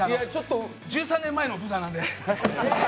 １３年前のブザーなんで。